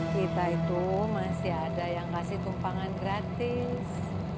kita itu masih ada yang kasih tumpangan gratis